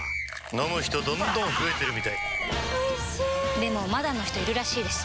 飲む人どんどん増えてるみたいおいしでもまだの人いるらしいですよ